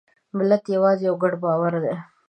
ملت یوازې یو ګډ باور دی.